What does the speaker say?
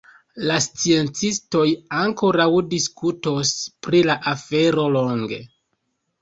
La sciencistoj ankoraŭ diskutos pri la afero longe.